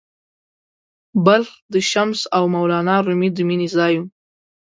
بلخ د “شمس او مولانا رومي” د مینې ځای و.